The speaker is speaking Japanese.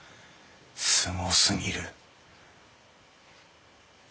すごすぎる！